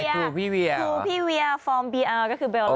ทูพี่เวียทูพี่เวียฟอร์มเบลล่า